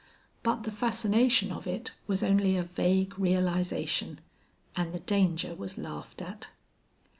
But the fascination of it was only a vague realization, and the danger was laughed at.